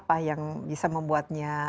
apa yang bisa membuatnya